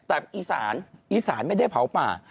แต่อีสานอีสานไม่ได้เผาป่า